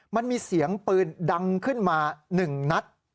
มันมีเสียงปืนดังขึ้นมา๑นัด